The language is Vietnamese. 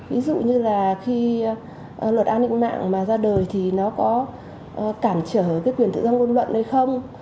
ví dụ như là khi luật an ninh mạng mà ra đời thì nó có cản trở cái quyền tự do ngôn luận hay không